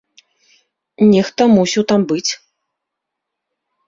Нехта мусіў там быць.